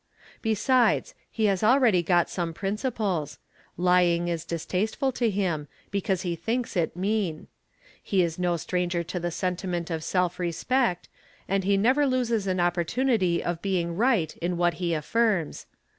Besides, he has already got some principles ; lying is distasteful to him, because he in it mean; he is no stranger to the sentiment of self respect, and he never loses an opportunity of being right in what he affirms.